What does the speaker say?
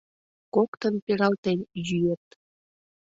Коктын пералтен йӱыт.